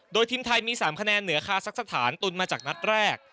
โดยทีมไทยมี๓คะแนนเหนือคาซักสถานตุนมาจากนัดแรก